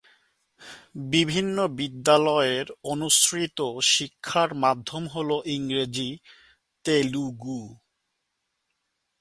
বিভিন্ন বিদ্যালয়ের অনুসৃত শিক্ষার মাধ্যম হল ইংরেজি, তেলুগু।